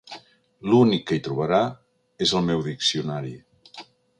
L'únic que hi trobarà és el meu diccionari.